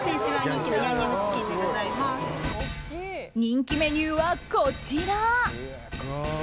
人気メニューはこちら。